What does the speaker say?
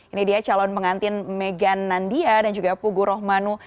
ini dia calon pengantin meghan nandia dan juga pugu rohmanu